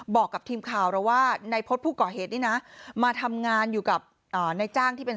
บอกกับทีมข่าวเราว่านายพฤษผู้ก่อเหตุนี่นะมาทำงานอยู่กับนายจ้างที่เป็น